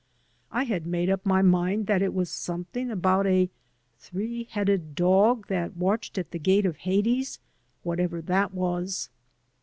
I had made up my mind that it was something about a three headed dog that watched at the gate of Hades, whatever that was.